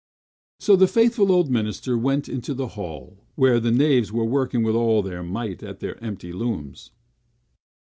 So the faithful old minister went into the hall, where the knaves were working with all their might, at their empty looms.